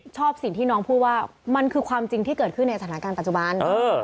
ชอบสิ่งที่น้องพูดว่ามันคือความจริงที่เกิดขึ้นในสถานการณ์ปัจจุบัน